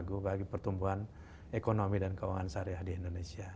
dan juga bagi pertumbuhan ekonomi dan keuangan syariah di indonesia